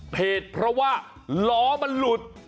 เหตุเพราะว่าล้อมันหลุด